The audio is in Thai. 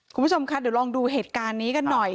คุณผู้ชมคะเดี๋ยวลองดูเหตุการณ์นี้กันหน่อย